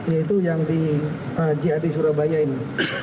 yaitu yang di jad surabaya ini